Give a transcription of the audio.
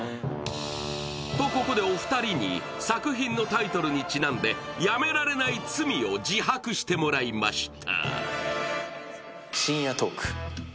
と、ここでお二人に作品のタイトルにちなんでやめられない罪を自白してもらいました。